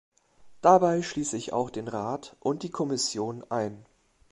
Dabei schließe ich auch den Rat und die Kommission ein.